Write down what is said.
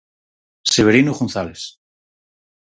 Severino González.